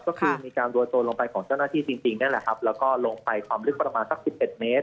ก็คือมีการโรยตัวลงไปของเจ้าหน้าที่จริงนั่นแหละครับแล้วก็ลงไปความลึกประมาณสักสิบเอ็ดเมตร